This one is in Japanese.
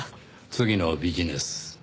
次のビジネス。